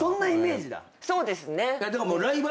そうですね。